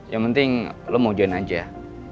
yang penting lo mau join aja